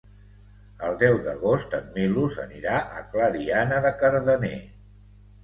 El deu d'agost en Milos anirà a Clariana de Cardener.